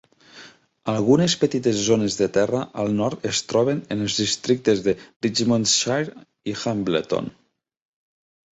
Algunes petites zones de terra al nord es troben en els districtes de Richmondshire i Hambleton.